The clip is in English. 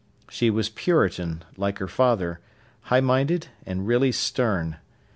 She was puritan, like her father, high minded, and really stern.